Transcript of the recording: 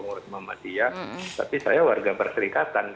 pengurus muhammadiyah tapi saya warga perserikatan